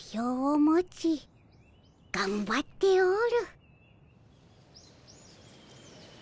おじゃがんばっておる。